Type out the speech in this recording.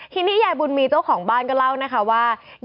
ทีนี้ยายบุญมีเจ้าของบ้านก็เล่านะคะว่า